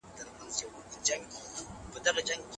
د لیونتوب کلمه ولي بده ده؟